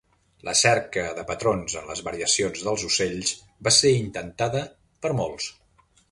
La cerca de patrons en les variacions dels ocells va ser intentada per molts.